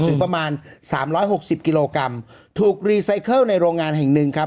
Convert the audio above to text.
ถึงประมาณ๓๖๐กิโลกรัมถูกรีไซเคิลในโรงงานแห่งนึงครับ